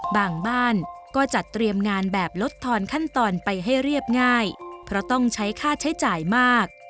บ้านก็จัดเตรียมงานแบบลดทอนขั้นตอนไปให้เรียบง่ายเพราะต้องใช้ค่าใช้จ่ายมาก